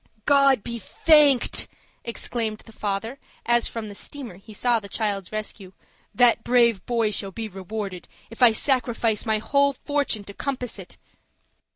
"God be thanked!" exclaimed the father, as from the steamer he saw the child's rescue. "That brave boy shall be rewarded, if I sacrifice my whole fortune to compass it."